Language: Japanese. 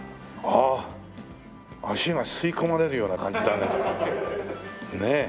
ああ足が吸い込まれるような感じだね。